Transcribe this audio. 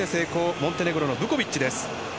モンテネグロのブコビッチです。